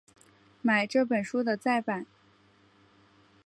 买这本书的再版